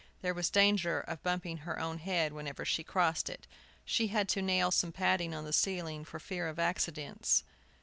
There was danger of bumping her own head whenever she crossed it. She had to nail some padding on the ceiling for fear of accidents.